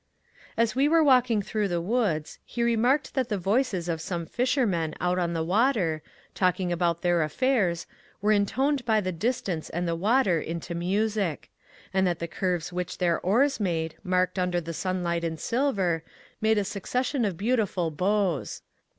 As we were walking through the woods he remarked that the voices of some fishermen out on the water, talking about their affairs, were intoned by the distance and the water into music; and that the curves which their oars made, marked under the sunlight in silver, made a succession of beautiful bows.